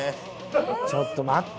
ちょっと待て。